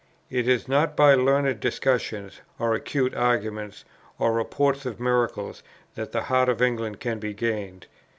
It is not by learned discussions, or acute arguments, or reports of miracles, that the heart of England can be gained.